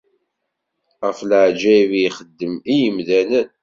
Ɣef leɛǧayeb i ixeddem i yimdanen.